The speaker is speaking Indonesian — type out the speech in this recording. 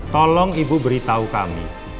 tolong ibu beritahu kami